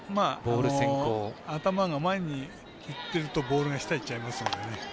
頭の前にいっているとボールが下にいっちゃいますからね。